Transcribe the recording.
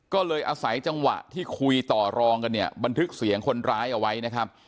ก็เลยอาศัยจังหวะที่คุยต่อรองกันเนี่ยบันทึกเสียงคนร้ายเอาไว้นะครับ